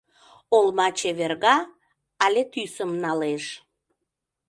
Олма чеверга, алэ тӱсым налеш